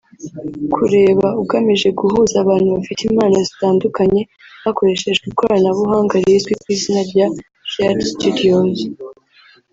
kureba’’ ugamije guhuza abantu bafite impano zitandukanye hakoreshejwe ikoranabuhanga rizwi ku izina rya shared studios